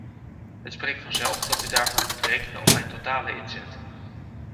Het spreekt vanzelf dat u daarvoor kunt u rekenen op mijn totale inzet.